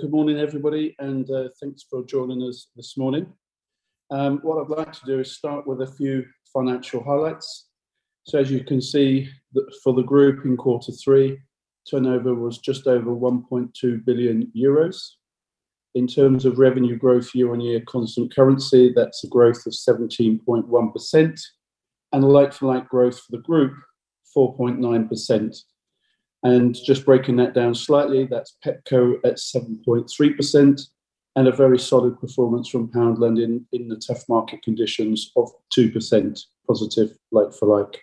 Good morning, everybody, and thanks for joining us this morning. What I'd like to do is start with a few financial highlights. As you can see, for the group in quarter three, turnover was just over 1.2 billion euros. In terms of revenue growth year-on-year constant currency, that's a growth of 17.1%, and the like-for-like growth for the group, 4.9%. Just breaking that down slightly, that's Pepco at 7.3%, and a very solid performance from Poundland in the tough market conditions of 2% positive like-for-like.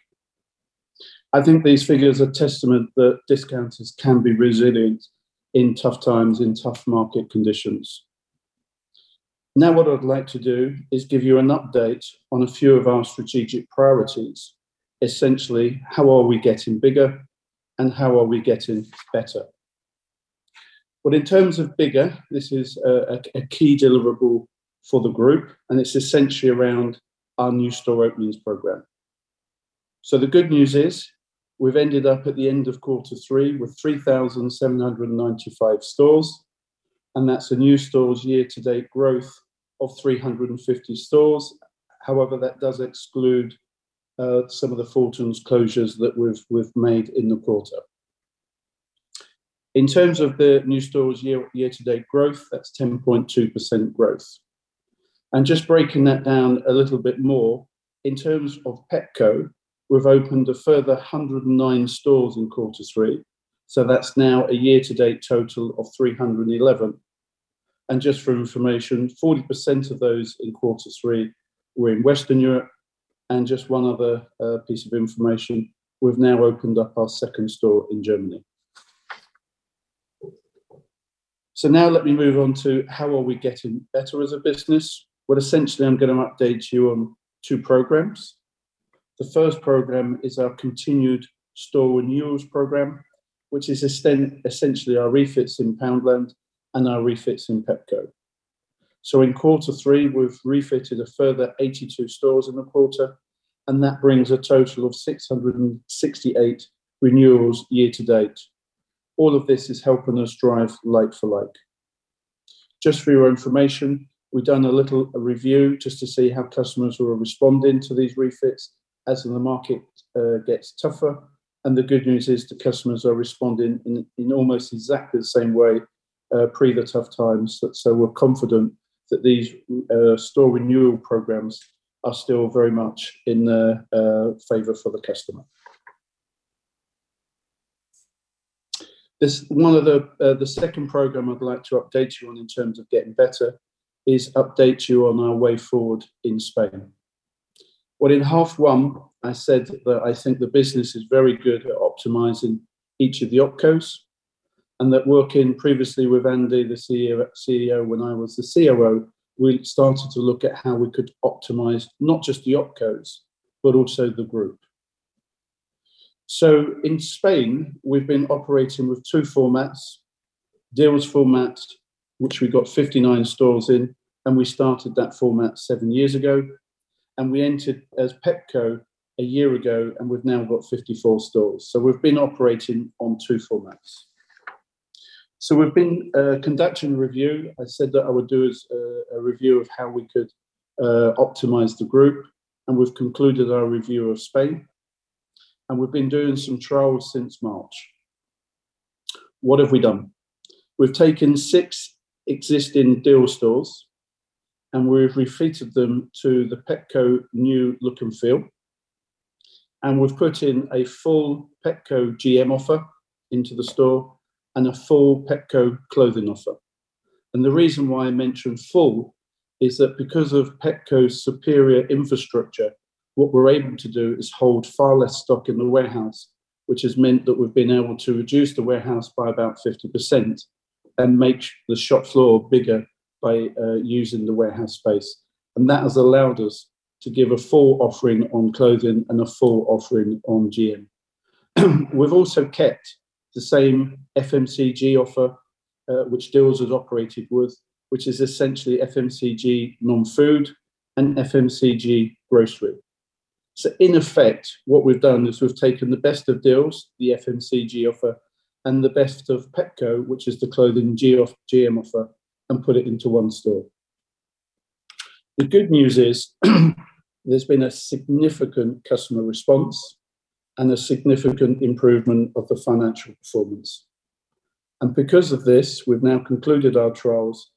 I think these figures are testament that discounters can be resilient in tough times, in tough market conditions. What I'd like to do is give you an update on a few of our strategic priorities. Essentially, how are we getting bigger and how are we getting better? In terms of bigger, this is a key deliverable for the group, and it's essentially around our new store openings program. The good news is we've ended up at the end of quarter three with 3,795 stores, and that's a new stores year to date growth of 350 stores. However, that does exclude some of the Fultons closures that we've made in the quarter. In terms of the new stores year to date growth, that's 10.2% growth. Just breaking that down a little bit more, in terms of Pepco, we've opened a further 109 stores in quarter three, so that's now a year to date total of 311. Just for information, 40% of those in quarter three were in Western Europe and just one other piece of information, we've now opened up our second store in Germany. Now let me move on to how are we getting better as a business. Essentially, I'm going to update you on two programs. The first program is our continued store renewals program, which is essentially our refits in Poundland and our refits in Pepco. In quarter three, we've refitted a further 82 stores in the quarter, and that brings a total of 668 renewals year to date. All of this is helping us drive like-for-like. Just for your information, we've done a little review just to see how customers are responding to these refits as the market gets tougher, and the good news is the customers are responding in almost exactly the same way pre the tough times. We're confident that these store renewal programs are still very much in favor for the customer. The second program I'd like to update you on in terms of getting better is update you on our way forward in Spain. In half one, I said that I think the business is very good at optimizing each of the OpCo, and that working previously with Andy, the CEO when I was the COO, we started to look at how we could optimize not just the OpCo, but also the group. In Spain, we've been operating with two formats, Dealz formats, which we got 59 stores in, and we started that format seven years ago, and we entered as Pepco a year ago, and we've now got 54 stores. We've been operating on two formats. We've been conducting a review. I said that I would do a review of how we could optimize the group, and we've concluded our review of Spain. We've been doing some trials since March. What have we done? We've taken six existing Dealz stores and we've refitted them to the Pepco new look and feel, and we've put in a full Pepco GM offer into the store and a full Pepco clothing offer. The reason why I mention full is that because of Pepco's superior infrastructure, what we're able to do is hold far less stock in the warehouse, which has meant that we've been able to reduce the warehouse by about 50% and make the shop floor bigger by using the warehouse space. That has allowed us to give a full offering on clothing and a full offering on GM. We've also kept the same FMCG offer, which Dealz has operated with, which is essentially FMCG non-food and FMCG grocery. In effect, what we've done is we've taken the best of Dealz, the FMCG offer, and the best of Pepco, which is the clothing and GM offer, and put it into one store. The good news is there's been a significant customer response and a significant improvement of the financial performance. Because of this, we've now concluded our trials.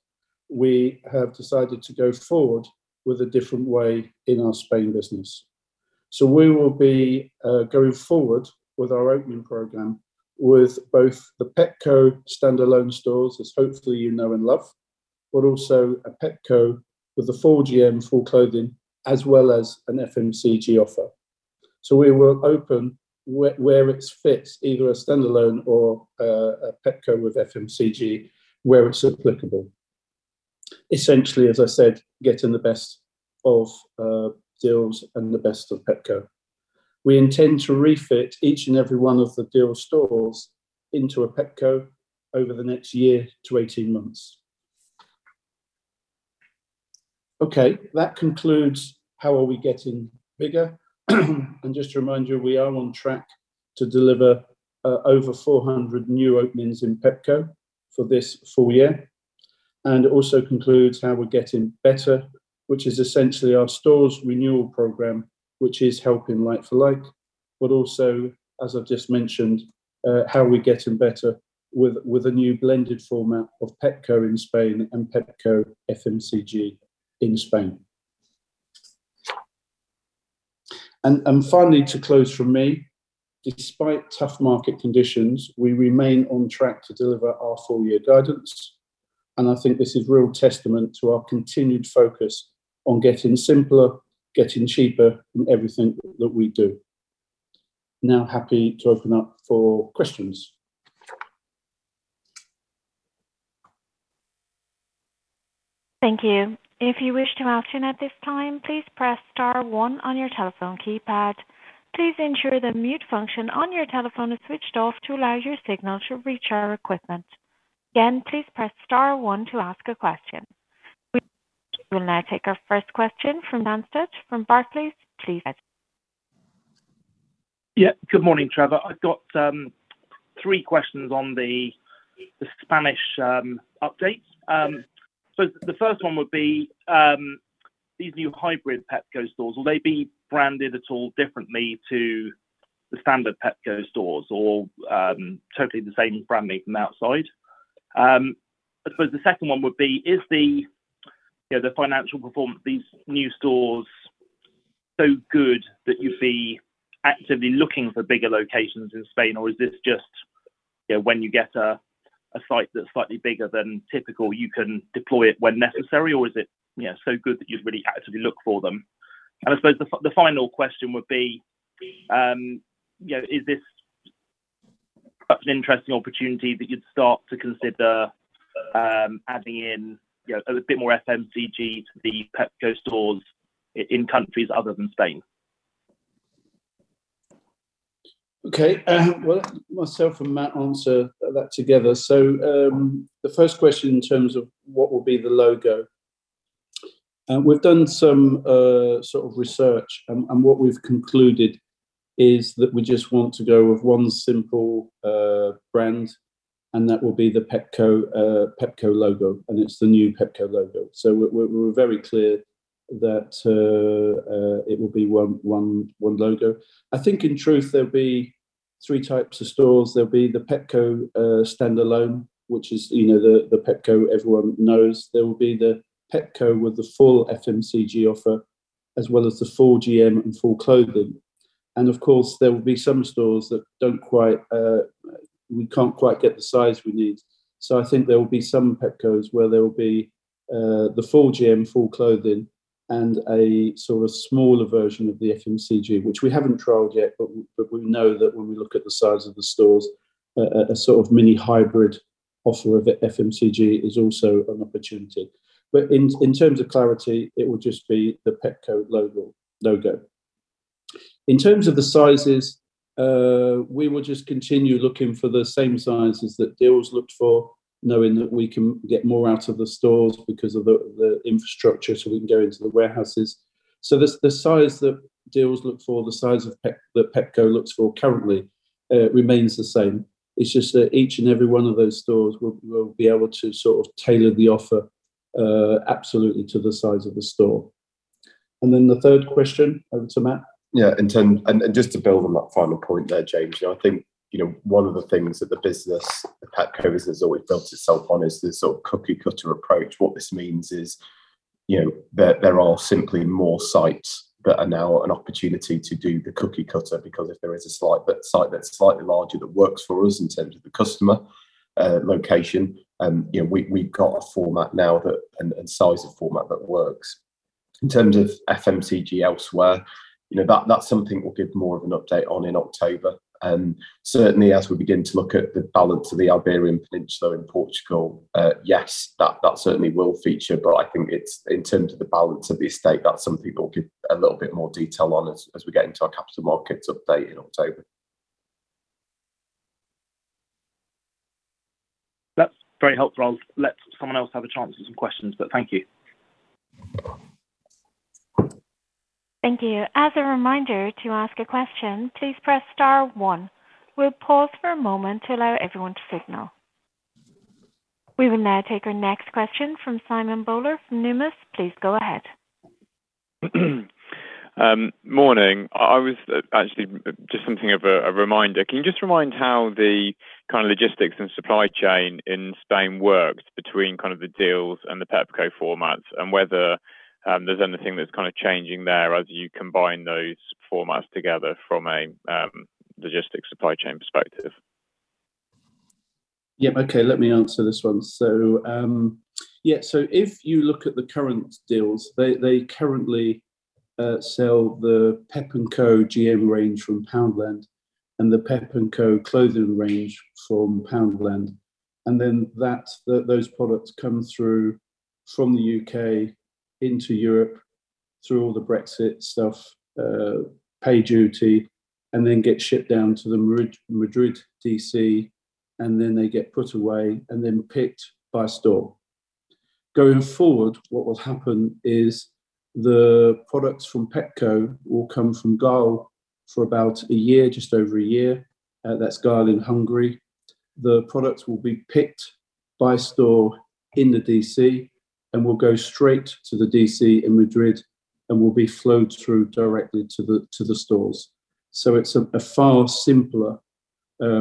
We have decided to go forward with a different way in our Spain business. We will be going forward with our opening program with both the Pepco standalone stores, as hopefully you know and love, but also a Pepco with a full GM, full clothing, as well as an FMCG offer. We will open where it fits either a standalone or a Pepco with FMCG where it's applicable. Essentially, as I said, getting the best of Dealz and the best of Pepco. We intend to refit each and every one of the Dealz stores into a Pepco over the next year to 18 months. Okay, that concludes how are we getting bigger. Just to remind you, we are on track to deliver over 400 new openings in Pepco for this full year. It also concludes how we're getting better, which is essentially our stores renewal program, which is helping like-for-like, but also, as I've just mentioned, how we're getting better with a new blended format of Pepco in Spain and Pepco FMCG in Spain. Finally, to close from me, despite tough market conditions, we remain on track to deliver our full year guidance, and I think this is real testament to our continued focus on getting simpler, getting cheaper in everything that we do. Happy to open up for questions. Thank you. If you wish to ask one at this time, please press star one on your telephone keypad. Please ensure the mute function on your telephone is switched off to allow your signal to reach our equipment. Again, please press star one to ask a question. We will now take our first question from Dan Stutch from Barclays. Please go ahead. Good morning, Trevor. I've got three questions on the Spanish updates. The first one would be, these new hybrid Pepco stores, will they be branded at all differently to the standard Pepco stores or totally the same branding from the outside? I suppose the second one would be, is the financial performance of these new stores so good that you'd be actively looking for bigger locations in Spain, or is this just when you get a site that's slightly bigger than typical you can deploy it when necessary, or is it so good that you'd really actively look for them? I suppose the final question would be, is this perhaps an interesting opportunity that you'd start to consider adding in a bit more FMCG to the Pepco stores in countries other than Spain? Myself and Matt will answer that together. The first question in terms of what will be the logo. We've done some sort of research, what we've concluded is that we just want to go with one simple brand, that will be the Pepco logo, and it's the new Pepco logo. We're very clear that it will be one logo. I think in truth, there'll be three types of stores. There'll be the Pepco standalone, which is the Pepco everyone knows. There will be the Pepco with the full FMCG offer, as well as the full GM and full clothing. Of course, there will be some stores that we can't quite get the size we need. I think there will be some Pepcos where there will be the full GM, full clothing, and a sort of smaller version of the FMCG, which we haven't trialed yet, but we know that when we look at the size of the stores, a sort of mini hybrid offer of FMCG is also an opportunity. In terms of clarity, it will just be the Pepco logo. In terms of the sizes, we will just continue looking for the same sizes that Dealz looked for, knowing that we can get more out of the stores because of the infrastructure so we can go into the warehouses. The size that Dealz look for, the size that Pepco looks for currently remains the same. It's just that each and every one of those stores will be able to sort of tailor the offer absolutely to the size of the store. The third question, over to Matt. Just to build on that final point there, James, I think one of the things that the business of Pepco has always built itself on is this sort of cookie-cutter approach. What this means is that there are simply more sites that are now an opportunity to do the cookie-cutter because if there is a site that's slightly larger that works for us in terms of the customer location, we've got a format now and size of format that works. In terms of FMCG elsewhere, that's something we'll give more of an update on in October. Certainly, as we begin to look at the balance of the Iberian Peninsula and Portugal, yes, that certainly will feature, but I think in terms of the balance of the estate, that's something we'll give a little bit more detail on as we get into our capital markets update in October. That's very helpful. I'll let someone else have a chance at some questions, but thank you. Thank you. As a reminder, to ask a question, please press star one. We'll pause for a moment to allow everyone to signal. We will now take our next question from Simon Bowler from Numis. Please go ahead. Morning. Actually, just something of a reminder. Can you just remind how the kind of logistics and supply chain in Spain works between kind of the Dealz and the Pepco formats and whether there's anything that's kind of changing there as you combine those formats together from a logistics supply chain perspective? Yeah, okay. Let me answer this one. If you look at the current Dealz, they currently sell the PEP&CO GM range from Poundland and the PEP&CO clothing range from Poundland. Those products come through from the U.K. into Europe through all the Brexit stuff, pay duty, and then get shipped down to the Madrid DC, and then they get put away and then picked by store. Going forward, what will happen is the products from Pepco will come from Győr for about a year, just over a year. That's Győr in Hungary. The products will be picked by store in the DC and will go straight to the DC in Madrid and will be flowed through directly to the stores. It's a far simpler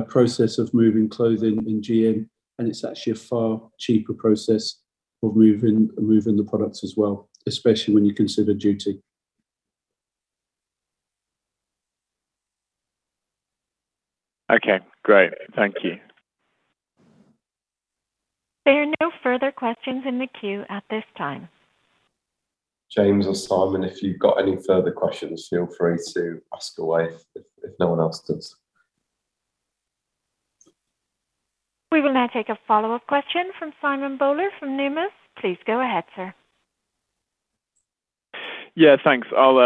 process of moving clothing in GM, and it's actually a far cheaper process of moving the products as well, especially when you consider duty. Okay, great. Thank you. There are no further questions in the queue at this time. James or Simon, if you've got any further questions, feel free to ask away if no one else does. We will now take a follow-up question from Simon Bowler from Numis. Please go ahead, sir. Yeah, thanks. I'll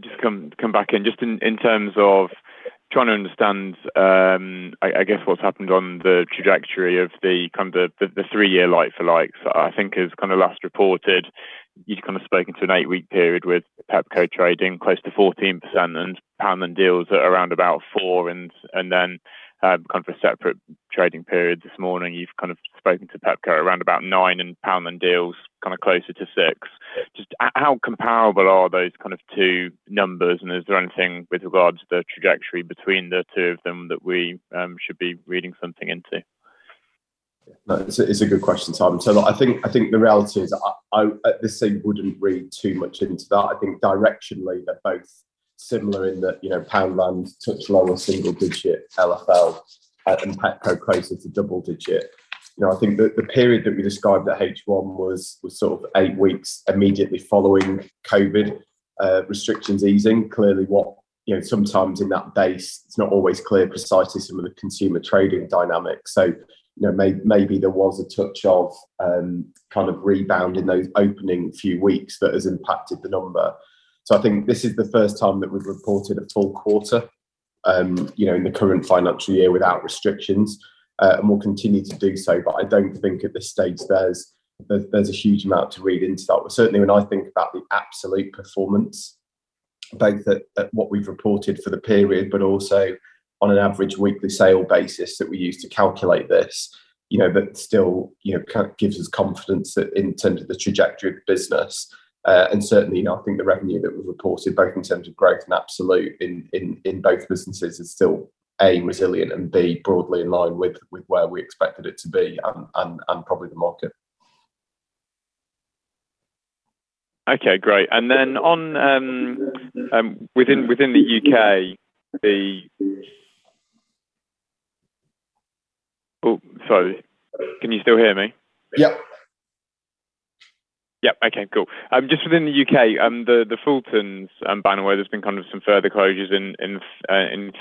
just come back in. Just in terms of trying to understand, I guess what's happened on the trajectory of the three-year like-for-likes. I think as last reported, you've spoken to an eight-week period with Pepco trading close to 14% and Poundland Dealz at around about 4%, and then for a separate trading period this morning you've spoken to Pepco around about 9% and Poundland Dealz closer to 6%. Just how comparable are those two numbers, and is there anything with regard to the trajectory between the two of them that we should be reading something into? It's a good question, Simon. I think the reality is, at this stage, wouldn't read too much into that. I think directionally they're both similar in that Poundland touched along a single-digit LFL and Pepco close to double-digit. I think that the period that we described at H1 was sort of 8 weeks immediately following COVID restrictions easing. Clearly, sometimes in that base it's not always clear precisely some of the consumer trading dynamics. Maybe there was a touch of rebounding those opening few weeks that has impacted the number. I think this is the first time that we've reported a full quarter in the current financial year without restrictions, and we'll continue to do so. I don't think at this stage there's a huge amount to read into that. Certainly when I think about the absolute performance, both at what we've reported for the period, but also on an average weekly sales basis that we use to calculate this, still gives us confidence in terms of the trajectory of the business. Certainly, I think the revenue that we've reported, both in terms of growth and absolute in both businesses is still, A, resilient, and B, broadly in line with where we expected it to be and probably the market. Okay, great. Within the U.K., the-- Oh, sorry. Can you still hear me? Yep. Yep. Okay, cool. Just within the U.K., the Fultons banner, where there's been some further closures in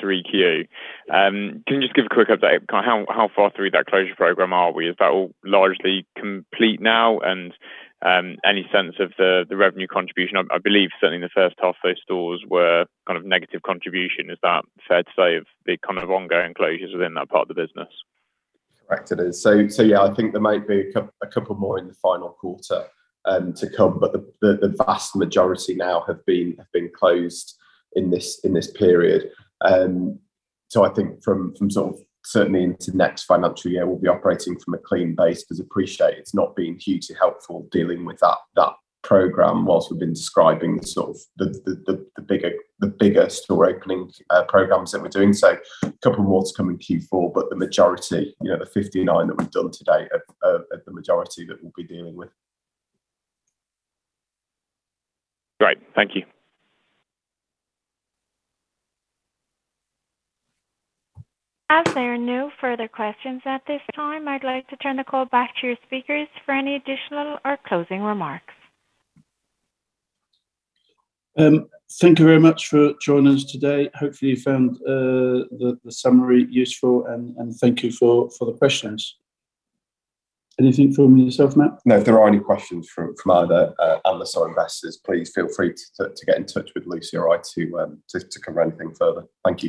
3Q, can you just give a quick update how far through that closure program are we? Is that all largely complete now? Any sense of the revenue contribution? I believe certainly in the first half those stores were negative contribution. Is that fair to say of the ongoing closures within that part of the business? Correct it is. Yeah, I think there might be a couple more in the final quarter to come, but the vast majority now have been closed in this period. I think from certainly into next financial year, we'll be operating from a clean base because appreciate it's not been hugely helpful dealing with that program whilst we've been describing the bigger store opening programs that we're doing. A couple more to come in Q4, but the majority, the 59 that we've done to date, are the majority that we'll be dealing with. Great. Thank you As there are no further questions at this time, I'd like to turn the call back to your speakers for any additional or closing remarks. Thank you very much for joining us today. Hopefully, you found the summary useful, and thank you for the questions. Anything from yourself, Matt? No. If there are any questions from either analysts or investors, please feel free to get in touch with Lucy or I to cover anything further. Thank you.